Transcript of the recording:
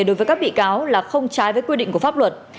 đối với các bị cáo là không trái với quy định của pháp luật